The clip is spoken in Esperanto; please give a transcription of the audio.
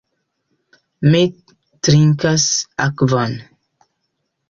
Mi trinkas akvon.